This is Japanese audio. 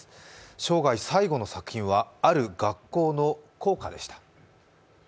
生涯最後の作品はある学校の校歌でした。